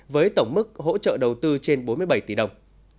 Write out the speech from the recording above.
với tổng mức hỗ trợ đầu tư trên bốn mươi bảy tỷ đồng